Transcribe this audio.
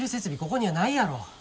ここにはないやろ。